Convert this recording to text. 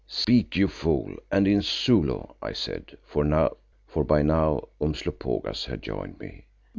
"Speak, you fool, and in Zulu," I said, for by now Umslopogaas had joined me.